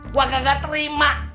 gue gak terima